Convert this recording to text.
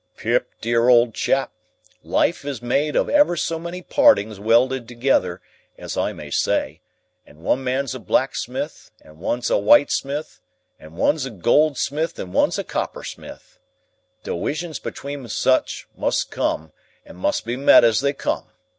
"Pip, dear old chap, life is made of ever so many partings welded together, as I may say, and one man's a blacksmith, and one's a whitesmith, and one's a goldsmith, and one's a coppersmith. Diwisions among such must come, and must be met as they come.